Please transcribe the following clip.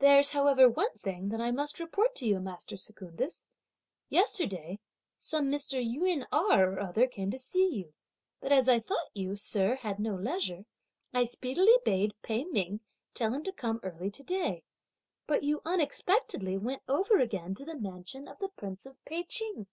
There's however one thing that I must report to you, master Secundus. Yesterday, some Mr. Yün Erh or other came to see you; but as I thought you, sir, had no leisure, I speedily bade Pei Ming tell him to come early to day. But you unexpectedly went over again to the mansion of the Prince of Pei Ching."